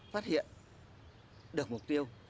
phát hiện được mục tiêu